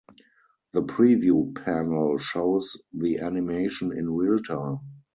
The preview panel shows the animation in real time.